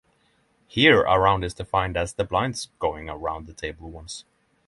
Here, a round is defined as the blinds going around the table once.